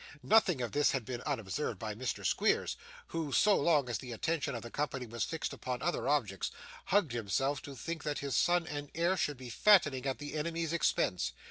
Nothing of this had been unobserved by Mr. Squeers, who, so long as the attention of the company was fixed upon other objects, hugged himself to think that his son and heir should be fattening at the enemy's expense.